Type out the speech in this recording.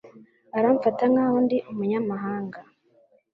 Aramfata nkaho ndi umunyamahanga.